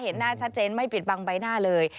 หน้าชัดเจนไม่ปิดบังใบหน้าเลย